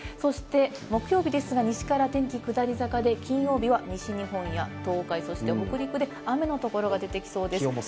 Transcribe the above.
木曜日ですが、西から天気下り坂で金曜日は西日本や東海北陸で雨の所が出てきそうです。